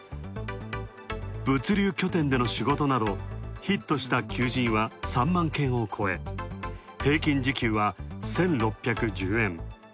物流拠点で仕事など、ヒットした求人は３万件を超え、平均時給は、１６１０円。